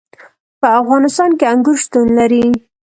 په افغانستان کې انګور شتون لري.